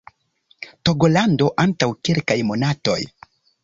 Togolando antaŭ kelkaj monatoj